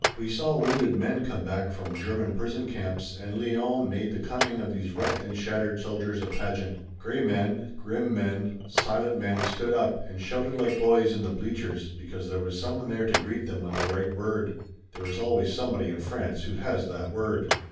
We saw wounded men come back from German prison camps and Lyons made the coming of these wrecked and shattered soldiers a pageant. Gray men, grim men, silent men stood up and shouted like boys in the bleachers because there was someone there to greet them with the right word. There is always somebody in France who has that word.